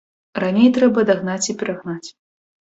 Раней трэба дагнаць і перагнаць.